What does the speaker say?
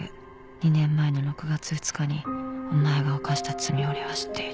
「２年前の６月２日にお前が犯した罪を俺は知っている」